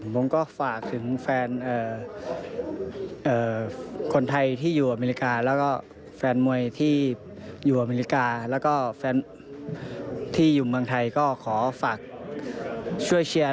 ผมก็ฝากถึงแฟนคนไทยที่อยู่อเมริกาและก็แฟนมวยที่อยู่อเมริกาและก็แฟนที่อยู่เมืองไทยก็ขอฝากช่วยเชียร์และก็เป็นกำลังมาเชื่อ